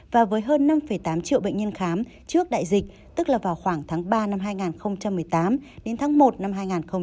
và với hơn năm tám triệu bệnh nhân khám trước đại dịch tức là vào khoảng tháng ba năm hai nghìn một mươi tám đến tháng một năm hai nghìn một mươi chín